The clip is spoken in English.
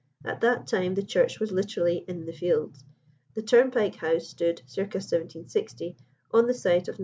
At that time the church was literally in the fields. The turnpike house stood (circa 1760) on the site of No.